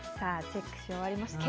チェックし終わりましたか？